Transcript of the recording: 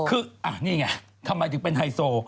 คือนี่ไงทำไมถึงเป็นไฮโซ